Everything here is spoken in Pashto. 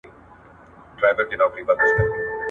هغه وويل چي انځورونه مهم دي!!